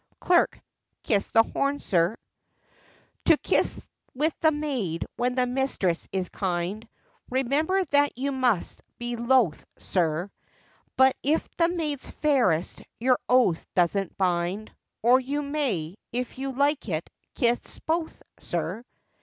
Clerk. 'Kiss the horn, sir!' To kiss with the maid when the mistress is kind, Remember that you must be loth, sir; But if the maid's fairest, your oath doesn't bind,— Or you may, if you like it, kiss both, sir!